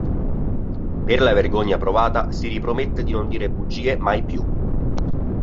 Per la vergogna provata, si ripromette di non dire bugie mai più.